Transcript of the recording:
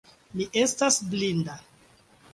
Mi estas blinda.